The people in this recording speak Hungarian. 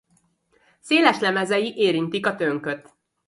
Széles lemezei érintik a tönköt.